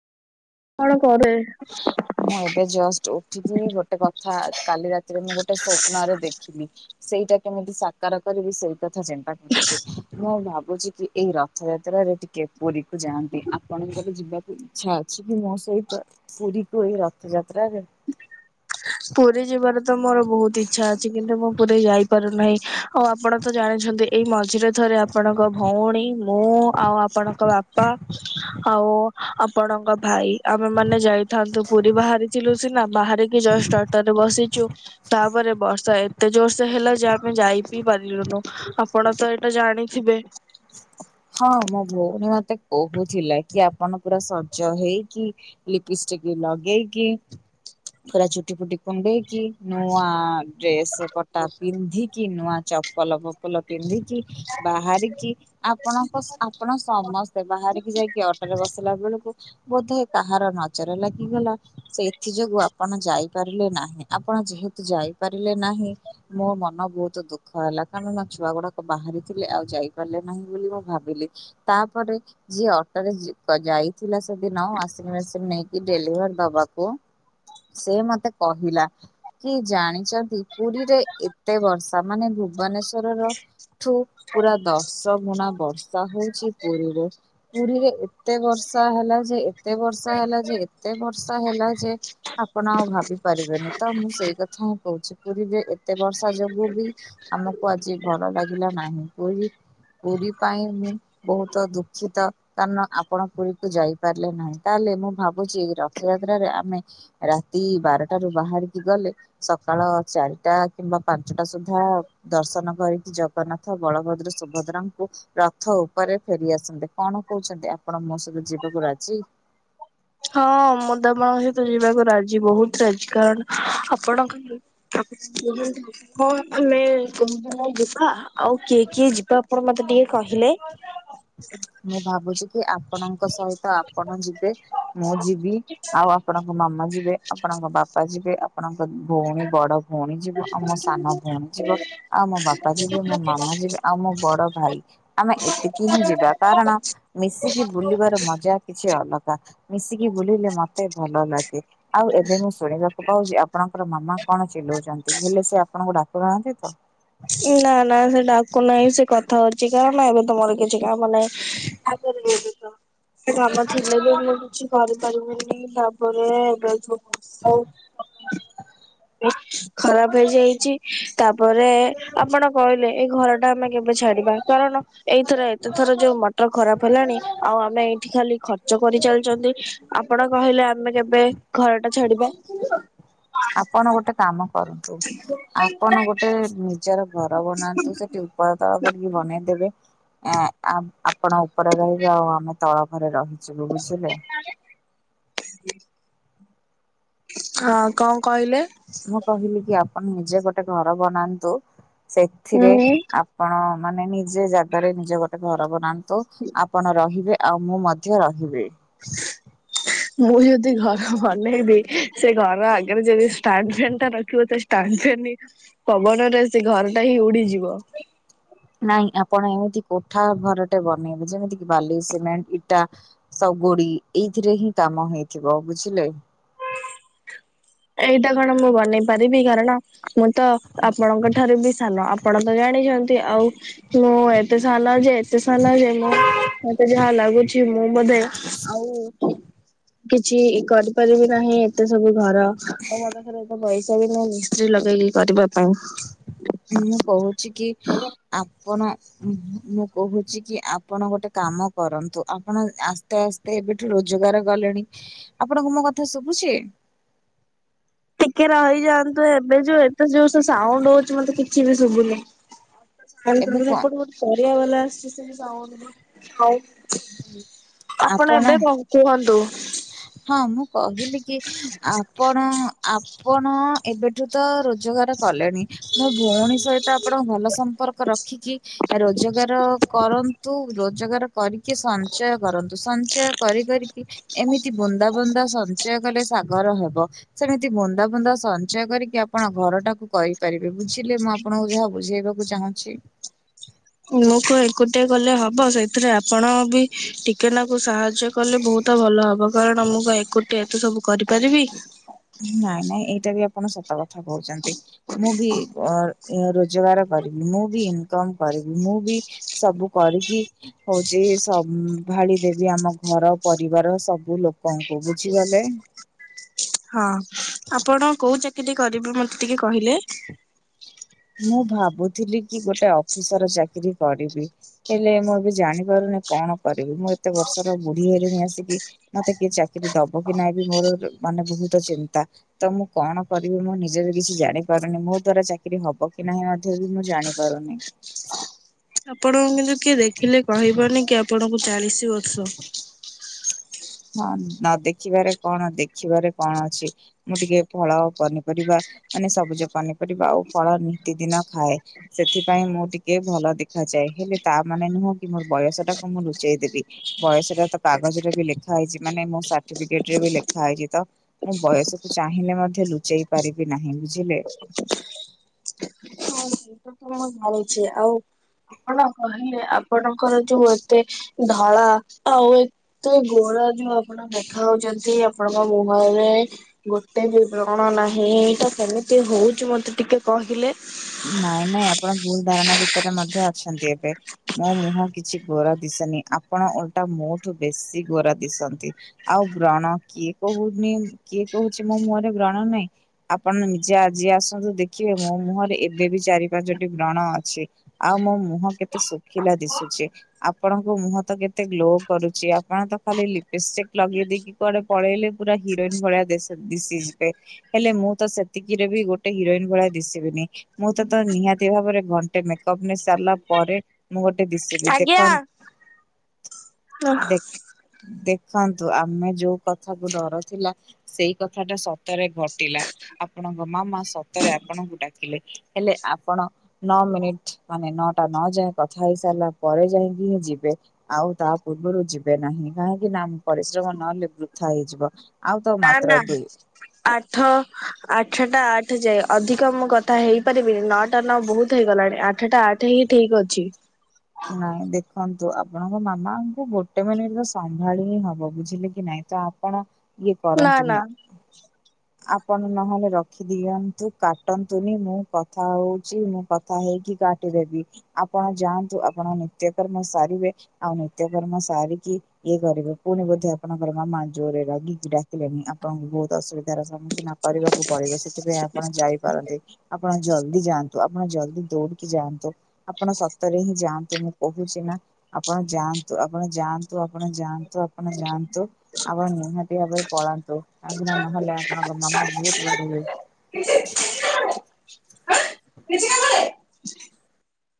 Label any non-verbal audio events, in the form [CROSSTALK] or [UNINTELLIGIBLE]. କଣ କରେ? ମୁଁ ଏବେ ଜଷ୍ଟ ଉଠକି ଗୋ ଟେ କଥା କାଲି ରାତିରେ ମୁଁ ଗୋଟେ ସ୍ୱପ୍ନରେ ଦେଖିଲି ସେଇଟା କେମିତି ସାକାର କରିବି ସେଇ କଥା ଚିନ୍ତା କରୁଛି ମୁଁ ଭାବୁଛି କି ଏଇ ର ରଥଯାତ୍ରାରେ ଟିକେ ପୁରୀକୁ ଯାଆନ୍ତି ଆପଣଙ୍କର ଯିବାକୁ ଇଚ୍ଛା ଅଛି କି ମୋ ସହିତ? ପୁରୀ କୁ ଏଇ ରଥଯାାତ୍ରାରେ? ପୁରୀ ଯିବାରେ ତ ମୋର ବହୁତ ଇଛା ଅଛି କିନ୍ତୁ ମୁଁ ପୁରୀ ଯାଇ ପାରୁ ନାହିଁ ଆଉ ଆପଣ ତ ଜାଣିଛନ୍ତି ଏଇ ମଝିରେ ଥରେ ଆପଣଙ୍କ ଭଉଣୀ ମୁଁ ଆଉ ଆପଣଙ୍କ ବାପା ଆଉ ଆପଣଙ୍କ ଭାଇ ଆମେମାନେ ଯାଇଥାନ୍ତୁ ପୁରୀ ବାହାରିଥିଲୁ ସିନା ବାହାରେ ଯଷ୍ଟ ଅଟରେ ବସିଛୁ ତାପରେ ବର୍ଷା ଏତେ ଜୋରସେ ହେଲା ଯେ ଆମ ଆମେ ଯାଇ ପି ପାରିଲୁନୁ ଆପଣ ତ ଏଇଟା ଜାଣିଥିବେ? ହଁ ମୋ ଭଉଣୀ ମତେ କହୁଥିଲା କି ଆପଣ ପୁରା ସଜ ହେଇକି ଲିପିଷ୍ଟିକି ଲଗେଇକି ପୁରା ଚୁଟି ଫୁଟି କୁଣ୍ଡେଇକି ନୂଆ ଡ୍ରେସ ପଟା ପିନ୍ଧିକି ନୂଆ ଚପଲ ଫପଲ ପିନ୍ଧିକି ବାହାରିକି ଆପଣଙ୍କ ଆପଣ ସମସ୍ତେ ବାହାରିକି ଯାଇକି ଅଟରେ ବସିଲା ବେଳକୁ ବୋଧେ କାହାର ନଜର ଲାଗିଗଲା ସେଏଥି ଯୋଗୁ ଆପଣ ଯାଇପାରିଲେ ନାହିଁ। ଆପଣ ଯେହେତୁ ଯାଇପାରିଲେ ନାହିଁ ମୋ ମନ ବହୁତ ଦୁଃଖ ହେଲା କାରଣ ନା ଛୁଆ ଗୁଡାକ ବାହାରିଥିଲେ ଆଉ ଯାଇ ପାରିଲେ ନାହିଁ। ବୋଲି ମୁଁ ଭାବିଲି ତାପରେ ଯିଏ ଅଟରେ ଯା ବ ଯାଇଥିଲା ସେଦିନ ୱାସିଙ୍ଗ ମେସିନ ନେଇକି ଡେଲିଭର ଦବାକୁ ସେ ମତେ କହିଲା କି ଜାଣିଛନ୍ତି ପୁରୀରେ ଏତେ ବର୍ଷା ମାନେ ଭୁବନେଶ୍ଵରର ଠୁ ପୁରା ଦଶ ଗୁଣା ବର୍ଷା ହଉଛି ପୁରୀରେ, ପୁରୀରେ ଏ ତେ ବର୍ଷା ହେଲା ଯେ ଏତେ ବର୍ଷା ହେଲା ଯେ ଏତେ ବର୍ଷା ହେଲା ଯେ ଆପଣ ଆଉ ଭାବି ପାରିବେନି ତ ମୁଁ ସେଇ କଥା ହିଁ କହୁଛି ପୁରୀରେ ଏ ତେ ବର୍ଷା ଯୋଗୁ ବି ଆମକୁ ଆଜି ଭଲ ଲାଗିଲା ନାହିଁ ପୁରୀ ପୁରୀ ପାଇଁ ମୁଁ ବହୁତ ଦୁଃଖିତ। କାରଣ ଆପଣ ପୁରୀକୁ ଯାଇପାରିଲେ ନାହିଁ ତାହେଲେ ମୁଁ ଭାବୁଛି ରଥଯାତ୍ରାରେ ଆମେ ରାତି ବାରଟାରୁୁ ବାହାରିକି ଗଲେ ସକାଳ ଚାରିଟା କିମ୍ବା ପାଞ୍ଚଟା ସୁଦ୍ଧା ଦର୍ଶନ କରିକି ଜଗନ୍ନାଥ, ବଳଭଦ୍ର, ସୁଭଦ୍ରା ରଥ ଉପରେ ଫେରିଆସନନ୍ତେ, କଣ କହୁଛନ୍ତି ଆପଣ ମୋ ସହିତ ଯିବାକୁ ରାଜି? ହଁ ମୁଁ ତମ ସହିତ ଯିବାକୁ ରାଜି ବହୁତ ରାଜି କାରଣ ଆପଣଙ୍କ ଆଉ କିଛି କୁହନ୍ତୁ। ହଉ ଆମେ [UNINTELLIGIBLE] ଯିବା ଆଉ କିଏ କିଏ ଯିବା ଆପଣ ମତେ ଟିକେ କହିଲେ? [UNINTELLIGIBLE] ମୁଁ ଭାବୁଛି କି ଆପଣଙ୍କ ସହିତ ଆପଣ ଯିବେ ମୁଁ ଯିବି ଆଉ ଆପଣଙ୍କ ମାମା ଯିବେ ଆପଣଙ୍କ ବାପା ଯିବେ ଆପଣଙ୍କ ଭଉଣୀ ବଡ ଭଉଣୀ ଯିବ ଆଉ ମୋ ସାନ ଭଉଣୀ ଯିବ ଆଉ ମୋ ବାପା ଯିବେ ମୋ ମାମା ଯିବେ ଆଉ ମୋ ବଡ ଭାଇ ଆମେ ଏତିକି ହିଁ ଯିବା। କାରଣ ମିଶିକି ବୁଲିବାର ମଜା କିଛି ଅଲଗା। ମିଶିକି ବୁଲିଲେ ମତେ ଭଲ ଲାଗେ ଆଉ ଏବେ ମୁଁ ଶୁଣିବାକୁ ପାଉଛି ଆପଣଙ୍କର ମାମା କଣ ଚିଲଉଛନ୍ତି ହେଲେ ସେ ଆପଣଙ୍କୁ ଡାକୁ ନାହାନ୍ତି ତ। ନା ନା ସେ ଡାକୁ ନାହିଁ ସେ କଥା ହଉଛି କାରଣ ଏବେ ତ ମୋର କିଛି କାମ ନାହିଁ। ଆଗରେ ଯାଇ ଦେଖ। କାମ ଥିଲେ ବି ମୁଁ କିଛି କରିପାରିବିନି ତାପରେ ଏବେ [UNINTELLIGIBLE] ହଉ। ହ। ଖରାପ ହେଇଯାଇଛି ତାପରେ ଆପଣ କହିଲେ ଏଇ ଘର ଟା ଆମେ କେବେ ଛାଡିବା କାରଣ ଏଇଥର ଏତେଥର ଯୋଉ ମଟର ଖରାପ ହେଲାଣି ଆଉ ଆମେ ଏଇ ଏଠି ଖାଲି ଖର୍ଚ୍ଚ କରି ଚାଲିଛନ୍ତି ଆପଣ କହିଲେ ଆମେ କେବେ ଘର ଟା ଛାଡିବା। ଆପଣ ଗୋଟେ କାମ କରନ୍ତୁ ଆପଣ ଗୋଟେ ଉଁ ନିଜର ଘର ବନାନ୍ତୁ ସେଠି ଉପର ତଳ କରିକି ବନେଇଦେବେ। ଏଁ ଆପ୍ ଆପଣ ଉପରେ ରହିବେ ଆଉ ଆମେ ତଳ ଘରେ ରହିଯିବୁ ବୁଝିଲେ। [INAUDIBLE] ହଁ କଣ କହିଲେ। ମୁଁ କହିଲି କି ଆପଣ ନିଜେ ଗୋଟେ ଘର ବନାନ୍ତୁ। ସେଥିରେ ହୁଁ ଆପଣ ମାନେ ନିଜେ ଜାଗାରେ ନିଜେ ଗୋଟେ ଘର ବନାନ୍ତୁ ଆପଣର ରହିବେ ଆଉ ମୁଁ ମଧ୍ୟ ରହିବି। [INAUDIBLE] ମୁଁ ଯଦି ଘର ବନେଇବି ସେ ଘର ଆଗରେ ଯଦି ଷ୍ଟାଣ୍ଡ ଫ୍ୟାନ ଟା ରଖିବ ତ ତାନ୍ଧେନି ପବନରେ ସେ ଘର ଟା ହିଁ ଉଡିଯିବ। ନାଇଁ ଆପଣ ଏମିତି କୋଠା ଘରଟେ ବନେଇବେ ଯେମିତି କି ବାଲି ସିମେଣ୍ଟ ଇଟା ସବୁଡି ଏଇଥିରେ ହିଁ କାମ ହେଇଥିବ ବୁଝିଲେ। ଏଇଟା କଣ ମୁଁ ବନେଇ ପାରିବି କାରଣ ମୁଁ ତ ଆପଣଙ୍କ ଠାରୁ ବି ସାନ ଆପଣ ତ ଜାଣିଛନ୍ତି ଆଉ ମୁଁ ଏଵ୍ ଏତେ ସାଲ ଯେ ଏତେ ସାଲା ଯେ ମୁଁ ମତେ ଯାହା ଲାଗୁଛି ମୁଁ ବୋଧେ ଆଉ କିଛି କରିପାରିବି ନାହିଁ ଏତେ ସବୁ ଘର ଆଉ ମୋ ପାଖରେ ଏତେ ପଇସା ବି ନାହିଁ। ମିସ୍ତ୍ରୀ ଲଗେଇକି କରିବା ପାଇଁ। ମୁଁ କହୁଛି କି ଆପଣ ଉହୁଁ ମୁଁ କହୁଛି କି ଆପଣ ଗୋଟେ କାମ କରନ୍ତୁ ଆପଣ ଆସ୍ତେ ଆସ୍ତେ ଏବେଠୁ ରୋଜଗାର କଲେଣି ଆପଣଙ୍କୁ ମୋ କଥା ଶୁଭୁଛି। ଟିକେ ରହିଯାଆନ୍ତୁ ଏବେ ଯୋଉ ଏଟେ ଜୋରସେ ସାଉଣ୍ଡ ହଉଚି ମତେ କିଛି ବି ଶୁଭୁନି। ଏବେ [UNINTELLIGIBLE] କଣ ପରିବା ବାଲା ଆସିଛି ସେ ଯାଉନି [UNINTELLIGIBLE] ଆପଣ ଏବେ କଣ କୁହନ୍ତୁ? ହଁ ମୁଁ କହିଲି କି ଆପଣ ଆପ୍ ଆପଣ ଏବେଠୁ ତ ରୋଜଗାର କଲେଣି, ମୋ ଭଉଣୀ ସହିତ ଆପଣଙ୍କ ଭଲ ସମ୍ପ୍ ସମ୍ପର୍କ ରଖିକି ରୋଜଗାର କରନ୍ତୁ, ରୋଜଗାର କରିକି ସଞ୍ଚୟ କରନ୍ତୁ, ସଞ୍ଚୟ କରି କରିକି ଏମିତି ବୁନ୍ଦା ବୁନ୍ଦା ସଞ୍ଚୟ କଲେ, ସାଗର ହବ। ସେମିତି ବୁନ୍ଦା ବୁନ୍ଦା ସଞ୍ଚୟ କରିକି ଆପଣ ଘରଟାକୁ କରିପାରିବେ, ବୁଝିଲେ, ମୁଁ ଆପଣଙ୍କୁ ଯାହା ବୁଝେଇବା କୁ ଚାହୁଁଚି ମୁଁ କଣ ଏକୁଟିଆ କଲେ ହବ, ସେଇଥିରେ ଆପଣ ବି ଟିକେନାକୁ ସାହାଯ୍ ଯ୍ୟ କଲେ ବହୁତ ଭଲ ହବ, କାରଣ ମୁଁ କଣ ଏକୁଟିଆ ଏତେ ସବୁ କରିପାରିବି? ନାଇଁ ନାଇଁ ଏଇଟା ବି ଆପଣ ସତ କଥା କହୁଚନ୍ତି, ମୁଁ ବି ରୋଜଗାର କରିବି, ମୁଁ ବି ଇନକମ୍ କରିବି, ମୁଁ ବି ସବୁ କରିକି ହଉଚି ସମ୍ଭାଳି ଦେବି, ଆମ ଘର ପରିବାର ସବୁ ଲୋକଙ୍କୁ, ବୁଝିଗଲେ? ହଁ, ଆପଣ କୋଉ ଚାକିରି କରିବେ ମତେ ଟିକେ କହିଲେ? ମୁଁ ଭାବୁଥିଲି କି ଗୋଟେ ଅଫିସର୍ ଚାକିରି କରିବି। ହେଲେ ମୁଁ ଏବେ ଜାଣିପାରୁନି କଣ କରିବି? ମୁଁ ଏତେ ବର୍ଷର ବୁଢୀ ହେଲିଣି ଆସିକି ମତେ କିଏ ଚାକିରି ଦବ କି ନାହିଁ ବି, ମୋର ମାନେ ବହୁତ ଚିନ୍ତା। ତ ମୁଁ କଣ କରିବି, ମୁଁ ନିଜେ ବି କିଛି ଜାଣିପାରୁନି, ମୋ ଦ୍ଵାରା ଚାକିରି ହବ ହବ କି ନାହିଁ ମଧ୍ୟ ବି ମୁଁ ଜାଣି ପାରୁନି। ଆପଣଙ୍କୁ କିନ୍ତୁ କିଏ ଦେଖିଲେ କହିବନି କି ଆପଣଙ୍କୁ ଚାଳିଶ ବର୍ଷ! ହଁ ନ ଦେଖିବାରେ କଣ, ଦେଖିବାରେ କଣ ଅଛି। ମୁଁ ଟିକେ ଫଳ ପନିପରିବା, ମାନେ ସବୁଜ ପନିପରିବା ଆଉ ଫଳ ନିତିଦିନ ଖାଏ। ସେଥିପାଇଁ ମୁଁ ଟିକେ ଭଲ ଦେଖାଯାଏ, ହେଲେ ତା ମାନେ ନୁହଁ କି, ମୋର ବୟସ ଟାକୁ ମୁଁ ଲୁଚେଇ ଦେବି। ବୟସଟା ତ କାଗଜରେ ବି ଲେଖା ହେଇଚି, ମାନେ ମୋ ସାର୍ଟିଫିକେଟ୍ ରେ ବି ଲେଖା ହେଇଚି, ତ ମୁଁ ବୟସକୁ ଚାହିଁଲେ ମଧ୍ୟ ଲୁଚେଇ ପାରିବି ନାହିଁ, ବୁଝିଲେ? [UNINTELLIGIBLE] [UNINTELLIGIBLE] ମୁଁ ଜାଣିଚି, ଆଉ ଆପଣ କହିଲେ ଆପଣଙ୍କର ଯୋଉ ଏତେ ଧଳା ଆଉ ତ ଏଇ ଗୋରା ଯୋଉ ଆପଣ ଦେଖାହଉଚନ୍ତି, ଆପଣଙ୍କ ମୁହଁରେ ଗୋଟେ ବି ବ୍ରଣ ନାହିଁ, ତ କେମିତି ହଉଚି ମତେ ଟିକେ କହିଲେ? ନାଇଁ ନାଇଁ ଆପଣ ଭୁଲ ଧାରଣା ଭିତରେ ମଧ୍ୟ ଅଛନ୍ତି ଏବେ। ମୋ ମୁହଁ କିଛି ଗୋରା ଦିଶେନି, ଆପଣ ଓଲଟା ମୋଠୁ ବେଶୀ ଗୋରା ଦିଶନ୍ତି। ଆଉ ବ୍ରଣ, କିଏ କହୁନି, କିଏ କହୁଚି ମୋ ମୁହଁରେ ବ୍ରଣ ନାହିଁ ଆପଣ ନିଜେ ଆଜି ଆସନ୍ତୁ ଦେଖିବେ, ମୋ ମୁହଁରେ ଏବ୍ ଏବେ ବି ଚାରି ପାଞ୍ଚୋଟି ବ୍ରଣ ଅଛି, ଆଉ ମୋ ମୁହଁ କେତେ ଶୁକିଲା ଦିଶୁଚି। ଆପଣଙ୍କୁ ମୁହଁ ତ କେତେ ଗ୍ଲୋ କରୁଚି, ଆପଣ ତ ଖାଲି ଲିପଷ୍ଟିକ୍ ଲଗେଇ ଦେଇକି କୁଆଡେ ପଳେଇଲେ, ପୁରା ହିରୋଇନ୍ ଭଳିଆ ଦେଶ ଦିଶି ଯିବେ। ହେଲେ ମୁଁ ତ ସେତିକିରେ ବି ଗୋଟେ ହିରୋଇନ୍ ଭଳିଆ ଦିଶିବିନି। ମୁଁ ତ ତ ନିହାତି ଭାବରେ ଘଣ୍ଟେ ମେକଅପ୍ ନେଇ ସାରିଲା ପରେ ମୁଁ ଗୋଟେ ଦଶିବି, ଆଜ୍ଞା ଦେଖନ ନା ଦେଖ୍ ଦେଖନ୍ତୁ ଆମେ ଯୋଉ କଥାକୁ ଡର ଥିଲା ସେଇ କଥା ଟା ସତରେ ଘଟିଲା, ଆପଣଙ୍କ ମାମା ସତରେ ଆପଣଙ୍କୁ ଡାକିଲେ। ହେଲେ ଆପଣ ନଅ ମିନିଟ୍, ମାନେ ନଅଟା ନଅ ଯାଏ କଥା ହେଇସାରିଲା ପରେ ଯାଇକି ହିଁ ଯିବେ। ଆଉ ତାପୂର୍ବରୁ ଯିବେ ନାହିଁ କାହିଁକିନା ପରିଶ୍ରମ ନହେଲେ ବୃଥା ହେଇଯିବ। ଆଉ ତ ନାଁ ମାତ୍ର ନାଁ ଦୁଇ ଆଠ ଆଠଟା ଆଠେ ଯାଏ ଅଧିକ ମୁଁ କଥା ହେଇପାରିବିନି ନଅ ଟା ନା ବହୁତ୍ ହେଇଗଲାଣି ଆଠଟା ଆଠହିଁ ଠିକ୍ ଅଛି। ନାଇଁ ଦେଖନ୍ତୁ ଆପଣଙ୍କ ମାମାଙ୍କୁ ଗୋଟେ ମିନିଟ୍ତ ସମ୍ଭାଳି ହିଁ ହବ ବୁଝିଲେକି ନାଇଁ ତ ଆପଣ ଇଏ ନା କରନ୍ତୁନି। ନା ଆପଣ ନହେଲେ ରଖିଦିଅନ୍ତୁ କାଟନ୍ତୁନି ମୁଁ କଥା ହଉଚି ମୁଁ କ କଥା ହେଇକି କାଟିଦେବି ଆପଣ ଯାଆନ୍ତୁ ଆପଣ ନିତ୍ୟକର୍ମ ସାରିବେ ଆଉ ନିତ୍ୟକର୍ମ ସାରିକି ଇଏ କରିବେ ପୁଣି ବୋଧେ ଆପଣଙ୍କର ମାମା ଜୋରେ ରାଗିକି ଡାକିଲେଣି ଆପଣଙ୍କୁ ବହୁତ୍ ଅସୁବିଧା ମ ନପିବାକୁ ପଡ଼ିବ ସେଥିପାଇଁ ଆପଣ ଯାଇପାରନ୍ତି। ଆପଣ ଜଲ୍ଦି ଯାଆନ୍ତୁ ଆପଣ ଜଲ୍ଦି ଦୌଡ଼ିକି ଯାଆନ୍ତୁ। ଆପଣ ସତରେହିଁ ଯାଆନ୍ତୁ ମୁଁ କହୁଚିନା। ଆପଣ ଯାଆନ୍ତୁ ଆପଣ ଯାଆନ୍ତୁ ଆପଣ ଯାଆ ଆପଣ ଯାଆନ୍ତୁ ଆପଣ ନିହାତି ଭାବରେ ପଳାନ୍ତୁ କାଇଁକିନା ନହେଲେ ଆପଣଙ୍କ ମାମା ବହୁତ୍ ବାଡ଼ିବେ କିଛି କିଛି କାମ ନାହିଁ ଆଁ କିଛି କାମ ନାହିଁ।